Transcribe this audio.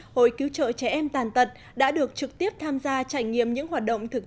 hội cứu trợ trẻ em tàn tật đã được trực tiếp tham gia trải nghiệm những hoạt động thực